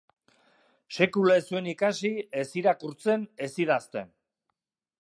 Sekula ez zuen ikasi ez irakurtzen, ez idazten.